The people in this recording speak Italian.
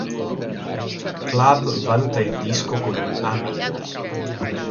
Club" valuta il disco con un "A-".